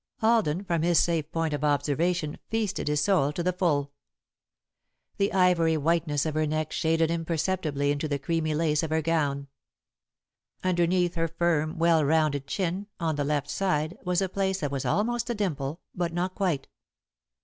Alden, from his safe point of observation, feasted his soul to the full. The ivory whiteness of her neck shaded imperceptibly into the creamy lace of her gown. Underneath her firm, well rounded chin, on the left side, was a place that was almost a dimple, but not quite.